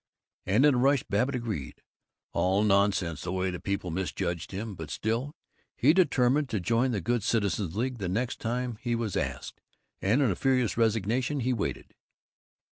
And, in a rush, Babbitt agreed. All nonsense the way people misjudged him, but still He determined to join the Good Citizens' League the next time he was asked, and in furious resignation he waited.